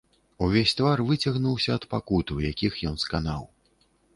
Увесь твар выцягнуўся ад пакут, у якіх ён сканаў.